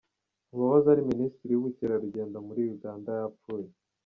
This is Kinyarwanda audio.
Uwahoze ari Minisitiri w’ ubukerarugendo muri Uganda yapfuye.